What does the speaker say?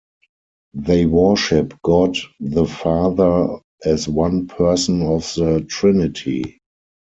They worship God the Father as one person of the Trinity.